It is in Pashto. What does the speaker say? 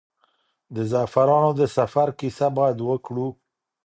د زعفرانو د سفر کیسه باید وکړو.